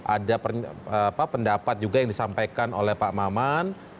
ada pendapat juga yang disampaikan oleh pak maman